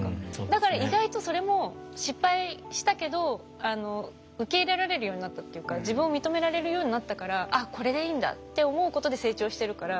だから意外とそれも失敗したけど受け入れられるようになったっていうか自分を認められるようになったから「あっこれでいいんだ」って思うことで成長してるから。